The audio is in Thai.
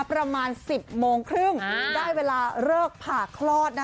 ประมาณ๑๐โมงครึ่งได้เวลาเลิกผ่าคลอด